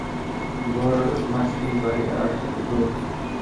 তোর মাসির বাড়ি আর কতদূর?